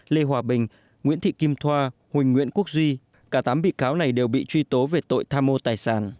lê hòa bình nguyễn thị kim thoa huỳnh nguyễn quốc duy cả tám bị cáo này đều bị truy tố về tội tham mô tài sản